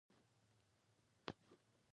د فلمونو نړۍ د تخیل یو رنګین ځای دی.